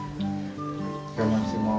お邪魔します。